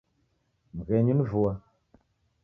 Mghenyu ni vua.